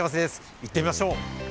行ってみましょう。